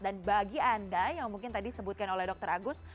dan bagi anda yang mungkin tadi sebutkan oleh dr agus